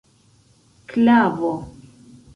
klavo